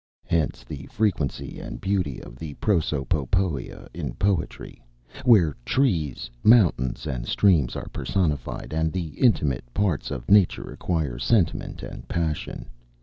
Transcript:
Hence the frequency and beauty of the prosopopoia in poetry; where trees, mountains, and streams are personified, and the inanimate parts of nature acquire sentiment and passion.